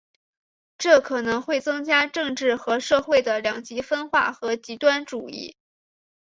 这可能会增加政治和社会的两极分化和极端主义。